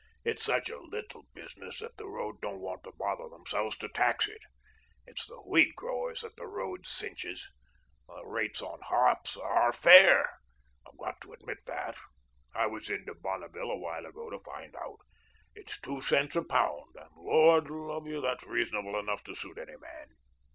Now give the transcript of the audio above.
It's such a little business that the road don't want to bother themselves to tax it. It's the wheat growers that the road cinches. The rates on hops ARE FAIR. I've got to admit that; I was in to Bonneville a while ago to find out. It's two cents a pound, and Lord love you, that's reasonable enough to suit any man.